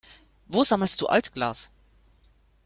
Wo sammelst du Altglas?